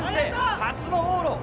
初の往路。